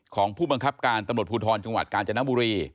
ของผู้บังคับการตำรวจภูทรจังหวัดกาญจนบุรี